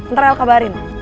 ntar el kabarin